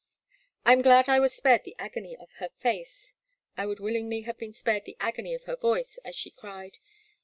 I am glad I was spared the agony of her face — I would wil lingly have been spared the agony of her voice as she cried.